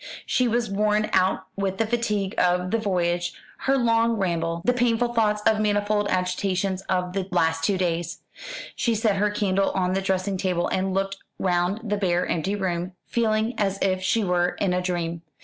She was worn out with the fatigue of the voyage, her long ramble, the painful thoughts and manifold agitations of the last two days. She set her candle on the dressing table, and looked round the bare empty room, feeling as if she were in a dream.